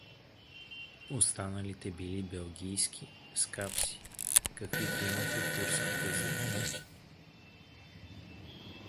Останалите били белгийки, с капси, каквито имаха турските заптии.